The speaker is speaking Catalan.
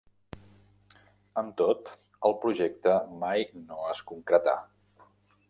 Amb tot el projecte mai no es concretà.